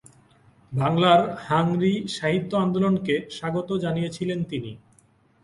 বাংলার হাংরি সাহিত্য আন্দোলনকে স্বাগত জানিয়েছিলেন তিনি।